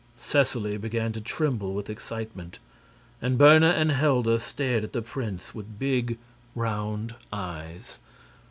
Seseley began to tremble with excitement, and Berna and Helda stared at the prince with big round eyes.